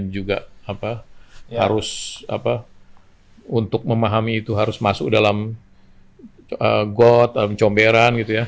juga harus untuk memahami itu harus masuk dalam got comberan gitu ya